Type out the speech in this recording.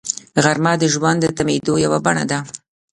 غرمه د ژوند د تمېدو یوه بڼه ده